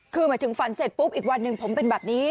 คือหมายถึงฝันเสร็จปุ๊บอีกวันหนึ่งผมเป็นแบบนี้